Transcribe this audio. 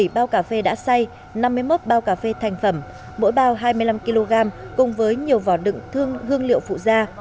một mươi bao cà phê đã say năm mươi một bao cà phê thành phẩm mỗi bao hai mươi năm kg cùng với nhiều vỏ đựng thương hương liệu phụ da